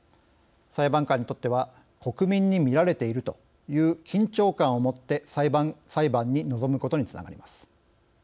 裁判官にとっては国民に見られているという緊張感を持って裁判に臨むことにつながります。